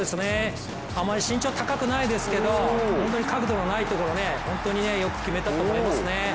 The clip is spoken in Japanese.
あまり身長は高くないですけど本当に角度のないところでよく決めたと思いますね。